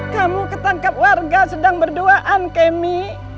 kamu ketangkap warga sedang berduaan kemi